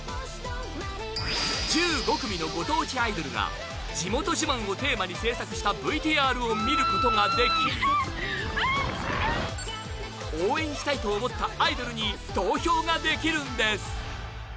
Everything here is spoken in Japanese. １５組のご当地アイドルが地元自慢をテーマに制作したＶＴＲを見ることができ応援したいと思ったアイドルに投票ができるんです。